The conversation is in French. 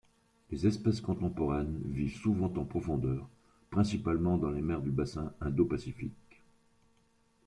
Les espèces contemporaines vivent souvent en profondeur, principalement dans les mers du bassin Indo-Pacifique.